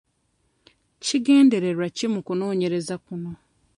Kigendererwa ki mu kunoonyereza kuno?